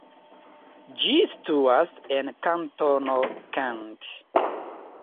Ĝi situas en kantono Kent.